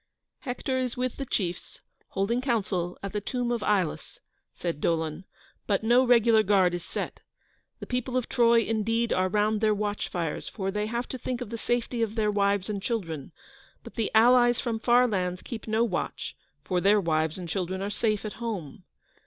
"Hector is with the chiefs, holding council at the tomb of Ilus," said Dolon; "but no regular guard is set. The people of Troy, indeed, are round their watch fires, for they have to think of the safety of their wives and children; but the allies from far lands keep no watch, for their wives and children are safe at home."